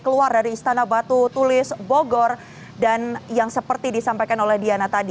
keluar dari istana batu tulis bogor dan yang seperti disampaikan oleh diana tadi